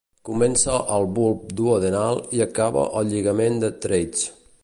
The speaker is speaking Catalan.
Comença al bulb duodenal i acaba al lligament de Treitz.